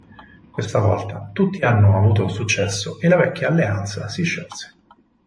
Questa volta, tutti hanno avuto successo e la vecchia alleanza si sciolse.